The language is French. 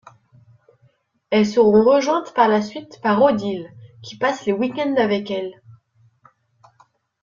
Elles seront rejointes par la suite par Odile, qui passe les week-ends avec elles.